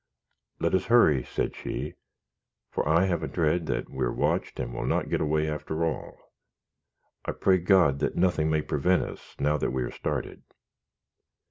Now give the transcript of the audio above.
"Let us hurry," said she, "for I have a dread that we are watched, and will not get away after all. I pray God that nothing may prevent us, now that we are started."